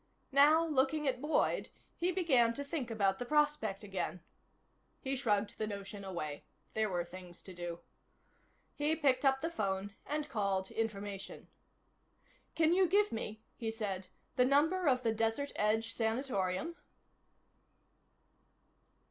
Now, looking at Boyd, he began to think about the prospect again. He shrugged the notion away. There were things to do. He picked up the phone and called Information. "Can you give me," he said, "the number of the Desert Edge Sanatorium?"